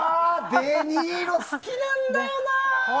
デ・ニーロ好きなんだよな。